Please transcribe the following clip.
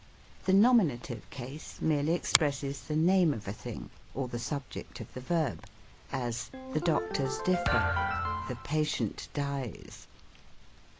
The Nominative Case merely expresses the name of a thing, or the subject of the verb : as, " The doc tors differ ;"— "The patient dies